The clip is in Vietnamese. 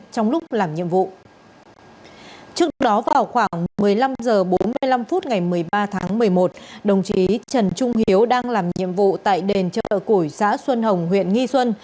trước đó vào khoảng một mươi năm h bốn mươi năm phút ngày một mươi ba tháng một mươi một đồng chí trần trung hiếu đang làm nhiệm vụ tại đền chợ củi xã xuân hồng huyện nghi xuân